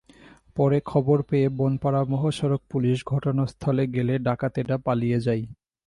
পরে খবর পেয়ে বনপাড়া মহাসড়ক পুলিশ ঘটনাস্থলে গেলে ডাকাতেরা পালিয়ে যায়।